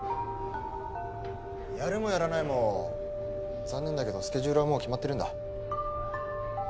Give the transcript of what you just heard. やるもやらないも残念だけどスケジュールはもう決まってるんだ。